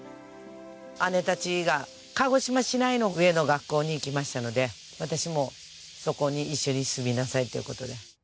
姉たちが鹿児島市内の上の学校に行きましたので私もそこに一緒に住みなさいという事で。